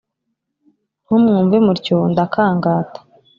Ntumwumve mutyo ndakangata